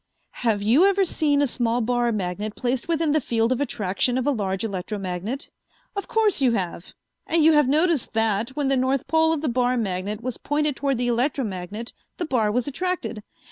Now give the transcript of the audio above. Have you ever seen a small bar magnet placed within the field of attraction of a large electromagnet? Of course you have, and you have noticed that, when the north pole of the bar magnet was pointed toward the electromagnet, the bar was attracted.